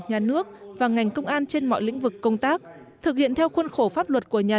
nhà nước và ngành công an trên mọi lĩnh vực công tác thực hiện theo khuôn khổ pháp luật của nhà